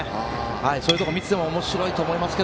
そういうところを見ていてもおもしろいと思いますが。